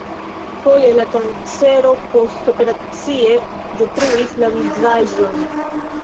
Foje la kancero postoperacie detruis la vizaĝon.